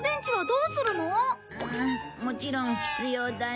うんもちろん必要だね。